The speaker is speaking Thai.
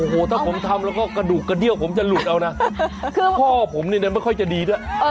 โอ้โหถ้าผมทำแล้วก็กระดูกกระเดี้ยวผมจะหลุดเอานะคือพ่อผมเนี่ยไม่ค่อยจะดีด้วย